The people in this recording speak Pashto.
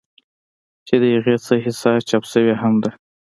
چې د هغې څۀ حصه چاپ شوې هم ده